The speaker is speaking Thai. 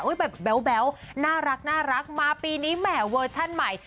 แบบแบ๊วน่ารักมาปีนี้แหมเวอร์ชั่นใหม่